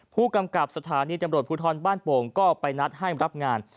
ผู้กำกับสถานีตำรวจภูทรบ้านโป่งก็ไปนัดให้รับงาน